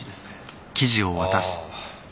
ああ。